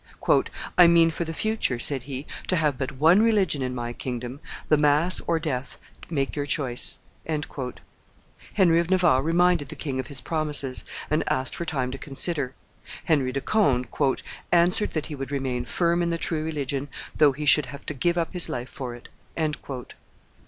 "I mean for the future," said he, "to have but one religion in my kingdom; the mass or death; make your choice." Henry of Navarre reminded the king of his promises, and asked for time to consider; Henry de Conde "answered that he would remain firm in the true religion though he should have to give up his life for it."